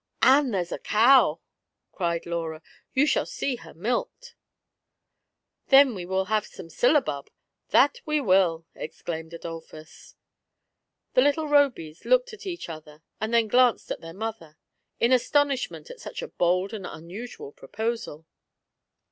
"And there's a cow !" cried Laura; "you shall see her milked !"" Then we will have some syllabub, that we will !" exclaimed Adolphus. The little Robys looked at each other, and then glanced at their mother, in astonishment at such a bold and unusual proposal.